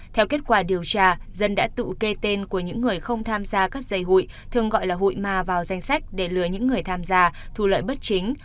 theo kết quả điều tra dân đã tự kê tên của những người không tham gia các dây hụi thường gọi là hụi ma vào danh sách để lừa những người tham gia thu lợi bất chính